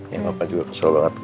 iya bapak juga kesal banget